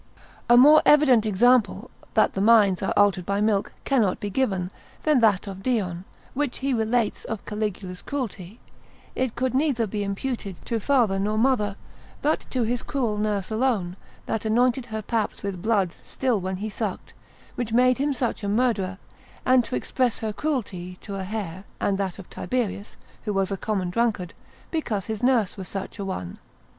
A more evident example that the minds are altered by milk cannot be given, than that of Dion, which he relates of Caligula's cruelty; it could neither be imputed to father nor mother, but to his cruel nurse alone, that anointed her paps with blood still when he sucked, which made him such a murderer, and to express her cruelty to a hair: and that of Tiberius, who was a common drunkard, because his nurse was such a one.